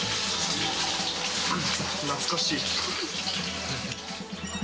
懐かしい。